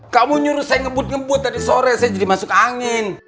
kamu nyuruh saya ngebut ngebut tadi sore saya jadi masuk angin